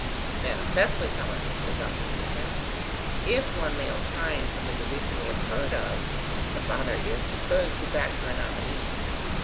"Manifestly, however," said Dr. Middleton, "if one may opine from the division we have heard of, the father is disposed to back your nominee."